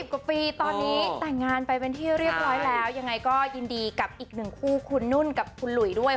กว่าปีตอนนี้แต่งงานไปเป็นที่เรียบร้อยแล้วยังไงก็ยินดีกับอีกหนึ่งคู่คุณนุ่นกับคุณหลุยด้วย